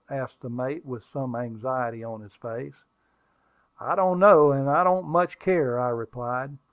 asked the mate, with some anxiety on his face. "I don't know, and I don't much care," I replied.